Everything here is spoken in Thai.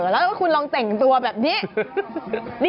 แล้วก็คุณลองแต่งตัวแบบนี้